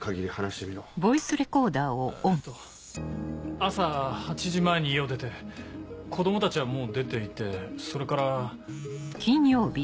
朝８時前に家を出て子供たちはもう出ていてそれから。